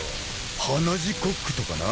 ［鼻血コックとかな］